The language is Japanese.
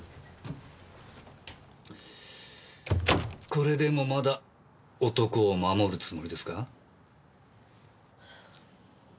これでもまだ男を守るつもりですか？